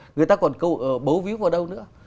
người ta còn bấu víu vào đâu nữa